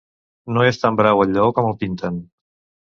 No és tan brau el lleó com el pinten.